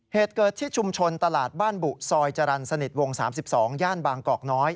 เหตุเกิดที่ชุมชนตลาดบ้านบุซอยจรรย์สนิทวง๓๒ย่านบางกอกน้อย